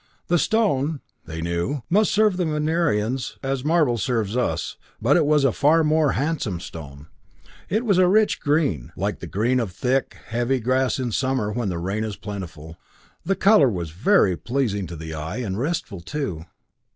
The stone, they knew, must serve the Venerians as marble serves us, but it was a far more handsome stone. It was a rich green, like the green of thick, heavy grass in summer when the rain is plentiful. The color was very pleasing to the eye, and restful too.